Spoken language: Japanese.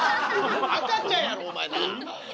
赤ちゃんやろお前なあ。